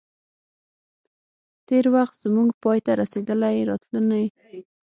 تیر وخت زمونږ پای ته رسیدلی، راتلونی هم زموږ لپاره ضمانت نه دی